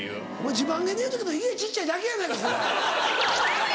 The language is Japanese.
自慢げに言うてるけど家小っちゃいだけやないかこれ。